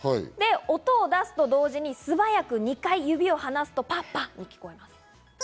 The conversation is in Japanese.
で、音を出すと同時に素早く２回、指を離すと、パパと聞こえます。